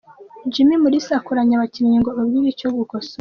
Jimmy Mulisa akoranya abakinnyi ngo ababwire icyo gukosora.